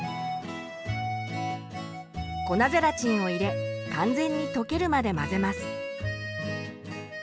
粉ゼラチンを入れ完全に溶けるまで混ぜます。